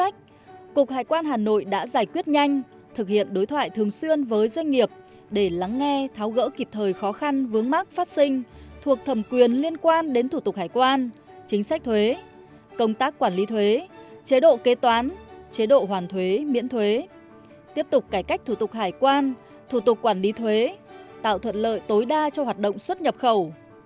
cục hải quan hà nội đã giải quyết nhanh thực hiện đối thoại thường xuyên với doanh nghiệp để lắng nghe tháo gỡ kịp thời khó khăn vướng mắc phát sinh thuộc thầm quyền liên quan đến thủ tục hải quan chính sách thuế công tác quản lý thuế chế độ kế toán chế độ hoàn thuế miễn thuế tiếp tục cải cách thủ tục hải quan thủ tục quản lý thuế tạo thuận lợi tối đa cho hoạt động xuất nhập khẩu